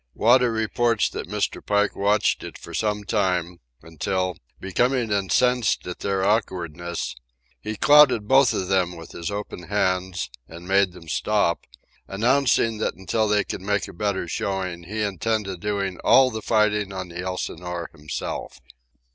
Wada reports that Mr. Pike watched it for some time, until, becoming incensed at their awkwardness, he clouted both of them with his open hands and made them stop, announcing that until they could make a better showing he intended doing all the fighting on the Elsinore himself.